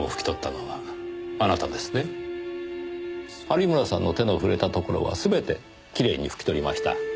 有村さんの手の触れたところは全てきれいに拭き取りました。